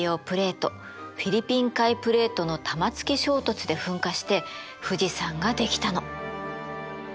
プレートフィリピン海プレートの玉突き衝突で噴火して富士山ができたの。